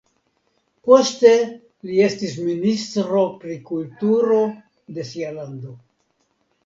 Poste li estis ministro pri kulturo de sia lando.